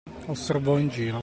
Osservò in giro.